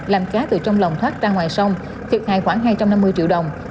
làm cá từ trong lòng thoát ra ngoài sông thiệt hại khoảng hai trăm năm mươi triệu đồng